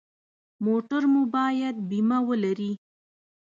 موټر مو باید بیمه ولري.